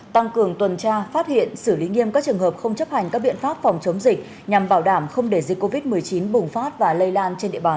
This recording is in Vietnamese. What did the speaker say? tăng cường tuần tra phát hiện xử lý nghiêm các trường hợp không chấp hành các biện pháp phòng chống dịch nhằm bảo đảm không để dịch covid một mươi chín bùng phát và lây lan trên địa bàn